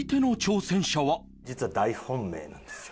実は大本命なんですよ。